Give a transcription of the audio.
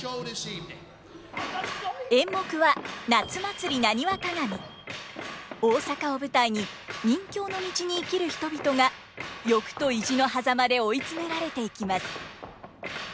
演目は大阪を舞台に任侠の道に生きる人々が欲と意地のはざまで追い詰められていきます。